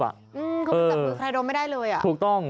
มันจำเป็นใครโดมไม่ได้เลยอ่ะถูกต้อง